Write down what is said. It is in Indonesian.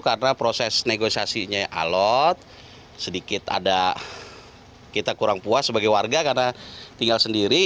karena proses negosiasinya alot sedikit ada kita kurang puas sebagai warga karena tinggal sendiri